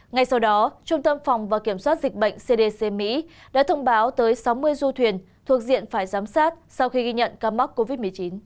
ngay sau đó trung tâm phòng và kiểm soát dịch bệnh cdc mỹ đã thông báo tới sáu mươi du thuyền thuộc diện phải giám sát sau khi ghi nhận ca mắc covid một mươi chín